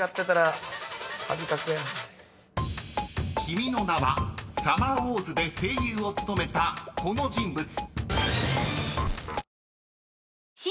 ［『君の名は。』『サマーウォーズ』で声優を務めたこの人物］